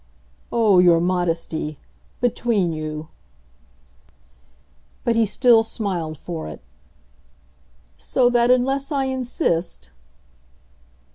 "Oh your modesty, between you !" But he still smiled for it. "So that unless I insist